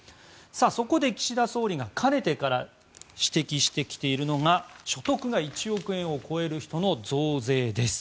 そこで岸田総理がかねてから指摘してきているのが所得が１億円を超える人の増税です。